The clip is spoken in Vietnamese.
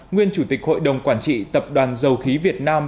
nguyên chủ tịch hội đồng quản trị tập đoàn dầu khí việt nam